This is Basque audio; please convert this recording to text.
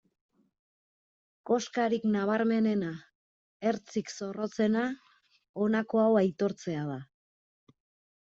Koskarik nabarmenena, ertzik zorrotzena, honako hau aitortzea da.